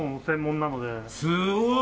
すごい！